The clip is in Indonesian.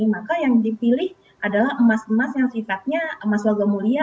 maka yang dipilih adalah emas emas yang sifatnya emas logam mulia